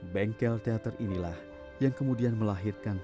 bengkel teater inilah yang kemudian melahirkan